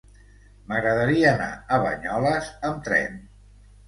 M'agradaria anar a Banyoles amb tren.